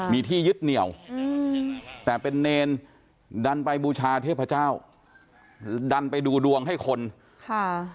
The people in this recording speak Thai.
มีที่ยึดเหนียวอืมแต่เป็นเนรดันไปบูชาเทพเจ้าดันไปดูดวงให้คนค่ะ